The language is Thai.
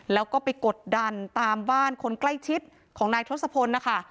แล้วก็ไปกดดันตามบ้านคนใกล้ชิดของนายทศพลนะคะ